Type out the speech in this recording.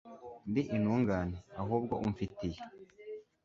ndi intungane, ahubwo umfitiye